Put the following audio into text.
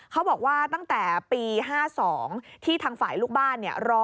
เขาบอกว่าตั้งแต่ปี๕๒ที่ทางฝ่ายลูกบ้าน